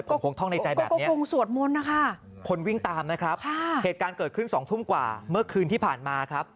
ผมคงท่องในใจแบบนี้คนวิ่งตามนะครับเหตุการณ์เกิดขึ้น๒ทุ่มกว่าเมื่อคืนที่ผ่านมาครับ